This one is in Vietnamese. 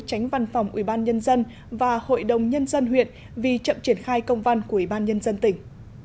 tránh văn phòng ubnd và hội đồng nhân dân huyện vì chậm triển khai công văn của ubnd tỉnh